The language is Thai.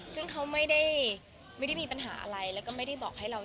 ซึ่งเขาไม่ได้มีปัญหาอะไรแล้วก็ไม่ได้บอกให้เรา